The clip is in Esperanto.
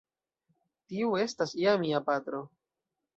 Tiu estas ja mia patro.